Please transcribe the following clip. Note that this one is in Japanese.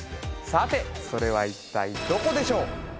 さてそれは一体どこでしょう？